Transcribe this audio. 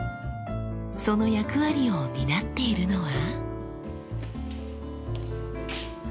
その役割を担っているのは。